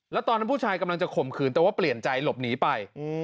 แล้วตอนนั้นผู้ชายกำลังจะข่มขืนแต่ว่าเปลี่ยนใจหลบหนีไป